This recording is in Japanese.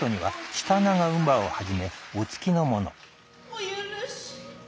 お許し。